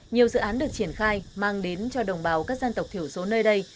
nhiều dự án được triển khai mang đến cho đồng bào các dân tộc thiểu số nơi đây